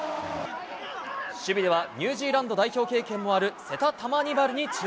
守備ではニュージーランド代表経験もある、セタ・タマニバルに注